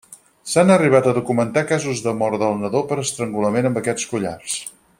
S'han arribat a documentar casos de mort del nadó per estrangulament amb aquests collars.